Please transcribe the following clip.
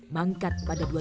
mangkat pada dua ribu